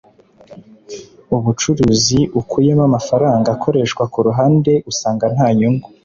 ubucuruzi ukuyemo amafaranga akoreshwa ku ruhande usanga ntanyungu